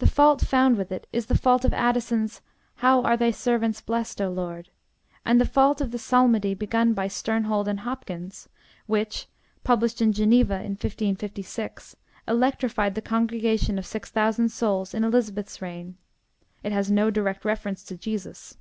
The fault found with it is the fault of Addison's 'How are thy servants blessed, O Lord,' and the fault of the Psalmody begun by Sternhold and Hopkins, which, published in Geneva in 1556, electrified the congregation of six thousand souls in Elizabeth's reign, it has no direct reference to Jesus.